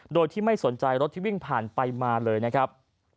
โดยที่ไม่สนใจรถที่วิ่งผ่านไปมาเลยนะครับ